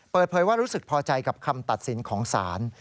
เปิดเผยว่ารู้สึกพอใจกับคำตัดสินของศาล